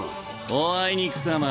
おあいにくさま。